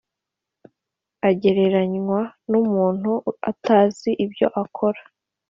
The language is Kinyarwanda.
agereranywa n umuntu atazi ibyo akora